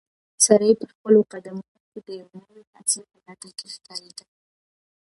سړی په خپلو قدمونو کې د یوې نوې هڅې په لټه کې ښکارېده.